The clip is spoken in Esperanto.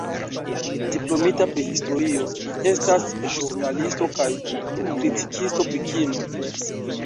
Diplomita pri historio, li estas ĵurnalisto kaj kritikisto pri kino.